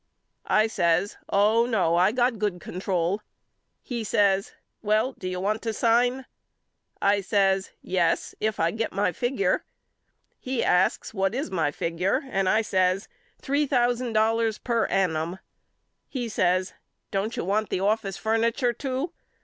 I says Oh no I got good con trol. He says Well do you want to sign? I says Yes if I get my figure. He asks What is my figure and I says three thousand dollars per an 14 YOU KNOW ME AL num. He says Don't you want the office furni ture too?